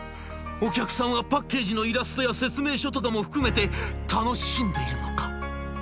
お客さんはパッケージのイラストや説明書とかも含めて楽しんでいるのか」。